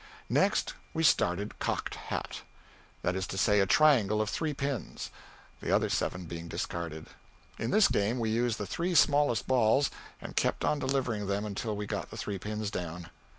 Next, we started cocked hat that is to say, a triangle of three pins, the other seven being discarded. In this game we used the three smallest balls and kept on delivering them until we got the three pins down.